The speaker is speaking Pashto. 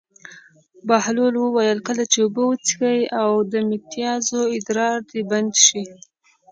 بهلول وویل: کله چې اوبه وڅښې او د متیازو ادرار دې بند شي.